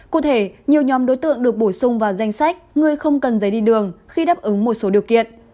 cụ thể nhiều nhóm đối tượng được bổ sung vào danh sách người không cần giấy đi đường khi đáp ứng một số điều kiện